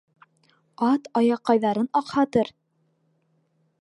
Ат аяҡҡайҙарын аҡһатыр